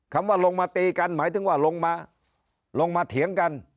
คำว่าลงมาตีกันหมายถึงว่าลงมาลงมาเถียงกัน